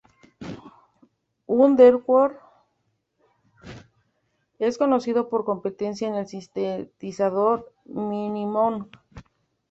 Underwood es conocido por su competencia en el sintetizador Minimoog.